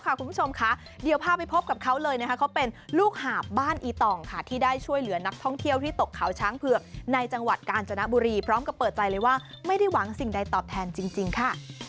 คุณผู้ชมค่ะเดี๋ยวพาไปพบกับเขาเลยนะคะเขาเป็นลูกหาบบ้านอีต่องค่ะที่ได้ช่วยเหลือนักท่องเที่ยวที่ตกเขาช้างเผือกในจังหวัดกาญจนบุรีพร้อมกับเปิดใจเลยว่าไม่ได้หวังสิ่งใดตอบแทนจริงค่ะ